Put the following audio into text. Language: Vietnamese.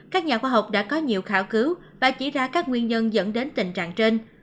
các nhà khoa học đã có nhiều khảo cứu và chỉ ra các nguyên nhân dẫn đến tình trạng trên